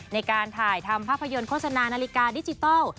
ในการถ่ายทำภาพยนตร์โฆษณานาฬิกาดิจิทัล